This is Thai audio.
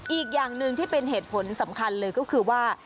อีกอย่างหนึ่งที่เป็นเหตุผลสำคัญเลยก็คือว่า